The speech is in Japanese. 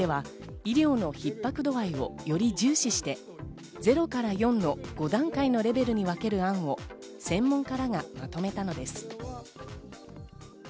今回、分科会では医療の逼迫度合いをより重視して０から４の５段階のレベルに分ける案を専門家らがまとめたのです。